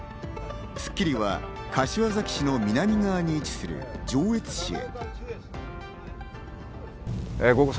『スッキリ』は柏崎市の南側に位置する上越市へ。